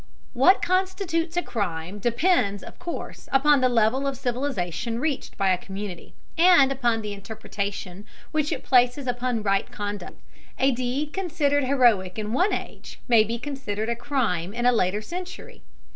What constitutes a crime depends, of course, upon the level of civilization reached by a community, and upon the interpretation which it places upon right conduct. A deed considered heroic in one age may be considered a crime in a later century.